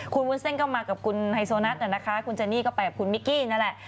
คุณวุ้นเส้นก็มากับคุณไฮโซนัทนะคะคุณเจนี่ก็ไปกับคุณมิกกี้นั่นแหละ